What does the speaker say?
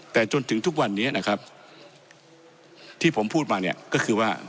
แต่จนถึงทุกวันนี้นะครับที่ผมพูดมาเนี่ยก็คือว่า